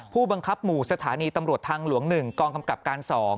ผู้บังคับหมู่สถานีตำรวจทางหลวง๑กองกำกับการ๒